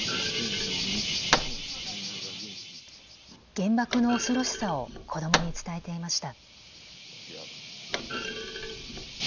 原爆の恐ろしさを子どもに伝えていました。